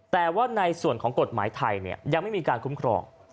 แต่ว่าในส่วนของกฎหมายไทยยังไม่มีการคุ้มครอง